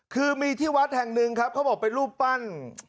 คือมีที่วัดแห่งหนึ่งครับเขาบอกเป็นรูปปั้น